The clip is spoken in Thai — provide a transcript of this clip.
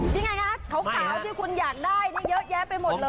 ยังไงคะขาวที่คุณอยากได้นี่เยอะแยะไปหมดเลย